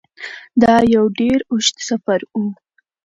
دا یو ډیر اوږد سفر و.